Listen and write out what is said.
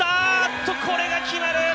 と、これが決まる。